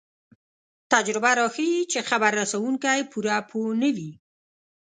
تجربه راښيي چې خبر رسوونکی پوره پوه نه وي.